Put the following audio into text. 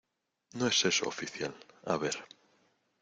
no es eso, oficial. a ver .